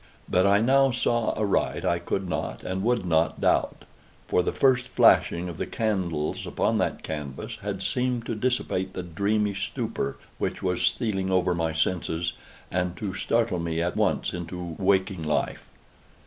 That I now saw aright I could not and would not doubt; for the first flashing of the candles upon that canvas had seemed to dissipate the dreamy stupor which was stealing over my senses, and to startle me at once into waking life.